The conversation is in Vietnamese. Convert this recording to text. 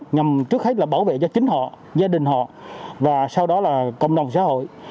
nhằm trước hết là bảo vệ cho chính họ gia đình họ và sau đó là cộng đồng xã hội